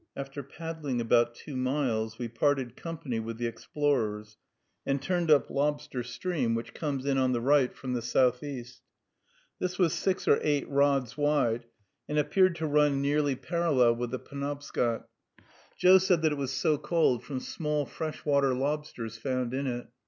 After paddling about two miles, we parted company with the explorers, and turned up Lobster Stream, which comes in on the right, from the southeast. This was six or eight rods wide, and appeared to run nearly parallel with the Penobscot. Joe said that it was so called from small fresh water lobsters found in it.